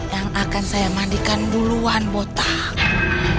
yang akan saya mandikan duluan botak